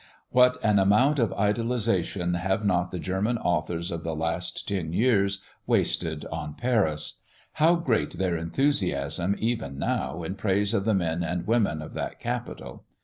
What an amount of idolization have not the German authors of the last ten years wasted on Paris! How great their enthusiasm even now, in praise of the men and women of that capital.